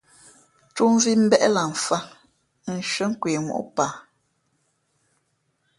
Tú mvī mbéʼ na mfāt nshʉ́ά kwe móʼ paa.